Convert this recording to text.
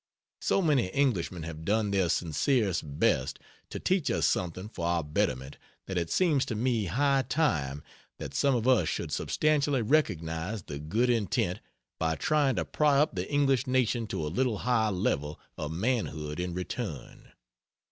So many Englishmen have done their sincerest best to teach us something for our betterment that it seems to me high time that some of us should substantially recognize the good intent by trying to pry up the English nation to a little higher level of manhood in turn.